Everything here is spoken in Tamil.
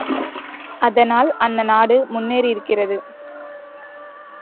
அதனால் அந்த நாடு முன்னேறியிருக்கிறது.